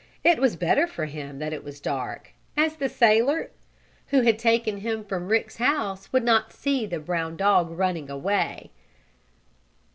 It was better for him that it was dark, as the sailor who had taken him from Rick's house would not see the brown dog running away.